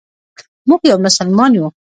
موږ یو مسلمان یو.